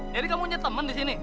jadi kamu punya teman di sini